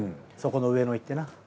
そこの上野行ってな。